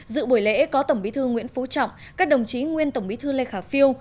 dự buổi lễ có tổng bí thư nguyễn phú trọng các đồng chí nguyên tổng bí thư lê khả phiêu